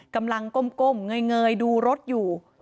กำลังก้มเงยดูรถอยู่